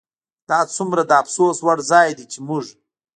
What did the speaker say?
دا څومره د افسوس وړ ځای دی چې موږ